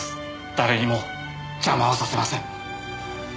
誰にも邪魔はさせません。